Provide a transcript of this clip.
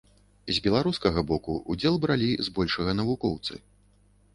З беларускага боку ўдзел бралі збольшага навукоўцы.